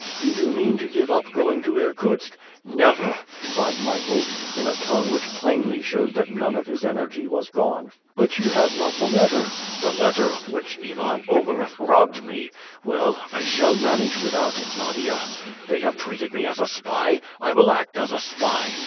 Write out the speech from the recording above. Do you mean to give up going to Irkutsk?" "Never!" cried Michael, in a tone which plainly showed that none of his energy was gone. "But you have not the letter!" "That letter of which Ivan Ogareff robbed me! Well! I shall manage without it, Nadia! They have treated me as a spy! I will act as a spy!